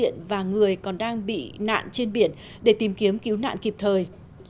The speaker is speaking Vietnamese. người còn đang bị nạn trên biển để tìm kiếm cứu nạn kịp thời